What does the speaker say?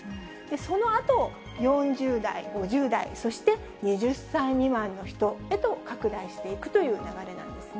そのあと４０代、５０代、そして２０歳未満の人へと拡大していくという流れなんですね。